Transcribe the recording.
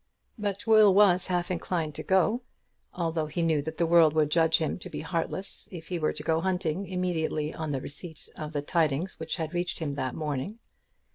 But Will was half inclined to go, although he knew that the world would judge him to be heartless if he were to go hunting immediately on the receipt of the tidings which had reached him that morning.